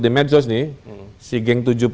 di medsos nih si geng